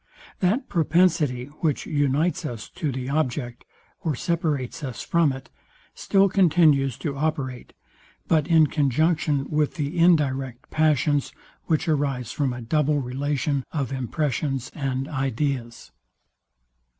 That propensity, which unites us to the object, or separates us from it, still continues to operate, but in conjunction with the indirect passions, which arise from a double relation of impressions and ideas.